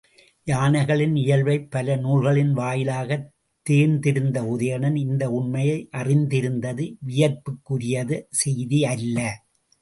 யானைகளின் இயல்பைப் பல நூல்களின் வாயிலாகத் தேர்ந்திருந்த உதயணன், இந்த உண்மையை அறிந்திருந்தது வியப்பிற்குரிய செய்தி அல்ல.